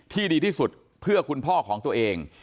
ดีที่สุดเพื่อคุณพ่อของตัวเอง